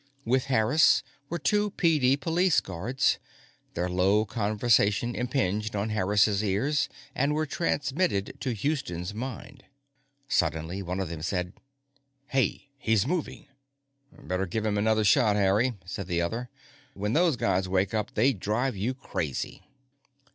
With Harris were two PD Police guards. Their low conversation impinged on Harris's ears, and was transmitted to Houston's mind. Suddenly, one of them said: "Hey! He's moving!" "Better give him another shot, Harry;" said the other, "when those guys wake up, they drive you crazy."